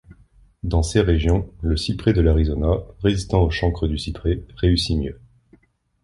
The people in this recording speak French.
Dans ces régions, le cyprès de l'Arizona, résistant au chancre du cyprès, réussit mieux.